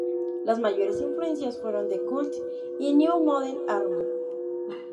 Las mayores influencias fueron The Cult y New Model Army.